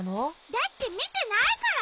だってみてないから。